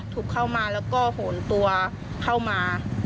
เข้ามาแล้วก็โหนตัวเข้ามา